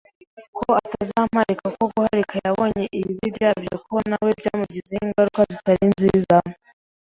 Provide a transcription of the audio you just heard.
ko atazamparika ko guharika yabonye ibibi byabyo ko nawe byamugizeho ingaruka zitari nziza